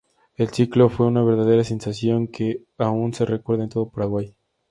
El ciclo fue una verdadera sensación que aún se recuerda en todo Paraguay.